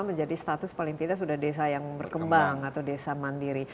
menjadi status paling tidak sudah desa yang berkembang atau desa mandiri